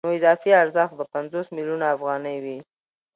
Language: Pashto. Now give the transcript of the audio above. نو اضافي ارزښت به پنځوس میلیونه افغانۍ وي